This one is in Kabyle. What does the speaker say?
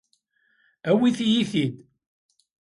Awit-iyi-t-id.